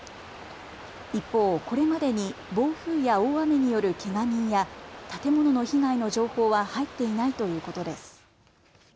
一方、これまでに暴風や大雨によるけが人や建物の被害の情報は入っていないということです。